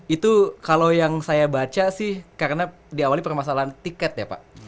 itu kalau yang saya baca sih karena diawali permasalahan tiket ya pak